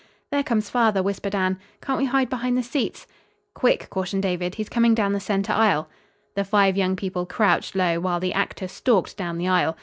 "There comes father," whispered Anne. "Can't we hide behind the seats?" "Quick," cautioned David. "He's coming down the center aisle." The five young people crouched low while the actor stalked down the aisle.